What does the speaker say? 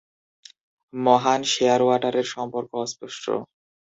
মহান শেয়ারওয়াটারের সম্পর্ক অস্পষ্ট।